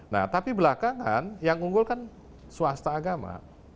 nah tapi belakangan yang unggul kan swasta agama